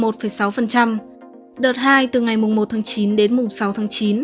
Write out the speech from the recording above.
đợt hai từ ngày một tháng chín đến sáu tháng chín